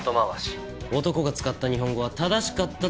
男が使った日本語は正しかったと仮定すべきだ。